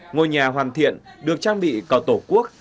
ngôi nhà hoàn thiện được trang bị có tổ quốc